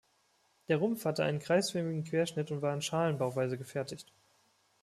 Der Rumpf hatte einen kreisförmigen Querschnitt und war in Schalenbauweise gefertigt.